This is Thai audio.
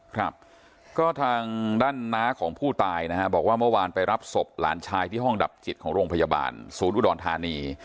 ครับก็ทางด้านน้าของผู้ตายนะฮะบอกว่าเมื่อวานไปรับศพหลานชายที่ห้องดับจิตของโรงพยาบาลศูนย์อุดรธานี